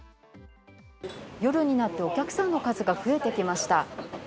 夜になってお客さんの数が増えてきました。